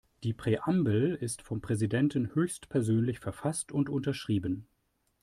Die Präambel ist vom Präsidenten höchstpersönlich verfasst und unterschrieben.